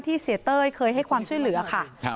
เสียเต้ยเคยให้ความช่วยเหลือค่ะ